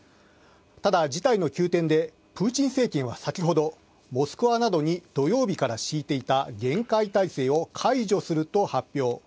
ただ事態の急転でプーチン政権は先ほどモスクワなどに土曜日から敷いていた厳戒態勢を解除すると発表。